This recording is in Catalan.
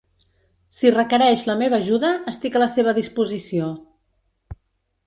Si requereix la meva ajuda, estic a la seva disposició.